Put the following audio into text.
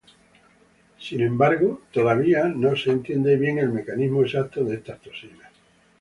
Sin embargo, el mecanismo exacto de estas toxinas todavía no es bien entendido.